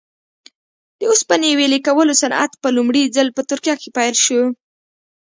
د اوسپنې ویلې کولو صنعت په لومړي ځل په ترکیه کې پیل شو.